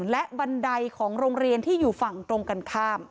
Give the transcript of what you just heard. และบันไดของโรงเรียนที่อยู่ฝั่งตรงกันข้าม